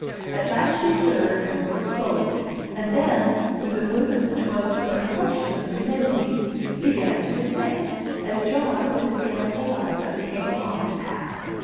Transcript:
At last she stirred, and rose slowly, and then, with a movement which was the perfection of timidity, began to advance, as John, with his Aunt Eliza, came along the path.